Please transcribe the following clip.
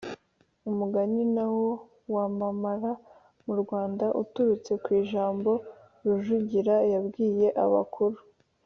Umugani na wo wamamara mu Rwanda uturutse ku ijambo Rujugira yabwiye abakuru,